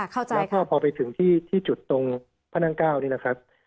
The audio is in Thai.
ข้าเข้าใจพอไปถึงที่จุดตรงพนัก๙นี่นะครับ